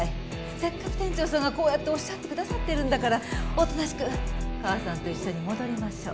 せっかく店長さんがこうやっておっしゃってくださってるんだからおとなしく母さんと一緒に戻りましょう。